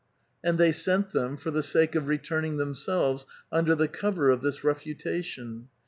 And they sent them for the sake of returning themselves, under the cover of this refutation.